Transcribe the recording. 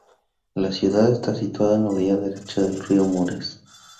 La ciudad está situada en la orilla derecha del río Mureş.